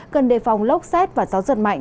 cần đề phòng lốc xét và gió giật mạnh